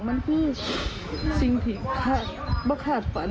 มันคือสิ่งที่ขาดมันขาดฝัน